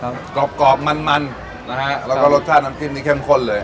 กรอบกรอบมันมันนะฮะแล้วก็รสชาติน้ำจิ้มนี่เข้มข้นเลย